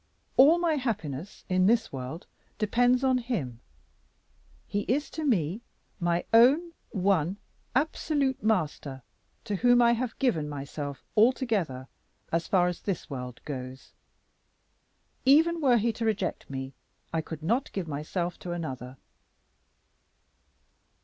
All my happiness in this world depends on him. He is to me my own one absolute master, to whom I have given myself altogether, as far as this world goes. Even were he to reject me I could not give myself to another."